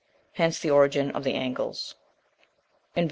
Hence the origin of the Angles. (2) V.R.